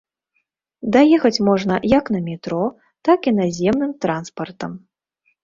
Даехаць можна як на метро, так і наземным транспартам.